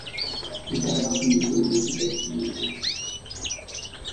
Elkar batzen dituen musika instrumentua.